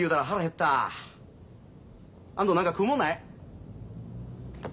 安藤何か食うもんない？